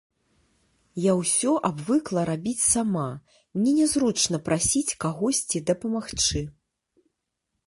Я ўсё абвыкла рабіць сама, мне нязручна прасіць кагосьці дапамагчы.